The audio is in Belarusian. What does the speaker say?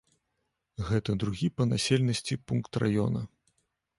Гэта другі па населенасці пункт раёна.